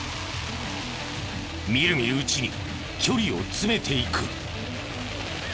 みるみるうちに距離を詰めていく。